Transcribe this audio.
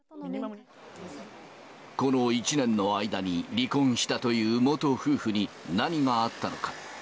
この１年の間に離婚したという、元夫婦に何があったのか。